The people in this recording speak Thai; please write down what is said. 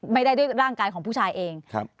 ไม่ได้ด้วยร่างกายของผู้ชายเอง